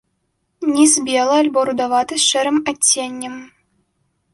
Ніз белы альбо рудаваты з шэрым адценнем.